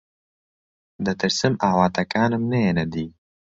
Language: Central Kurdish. دەترسم ئاواتەکانم نەیەنە دی.